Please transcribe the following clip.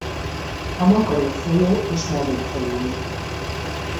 A Makarov folyó és mellékfolyói.